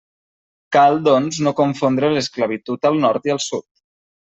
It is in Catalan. Cal, doncs, no confondre l'esclavitud al Nord i al Sud.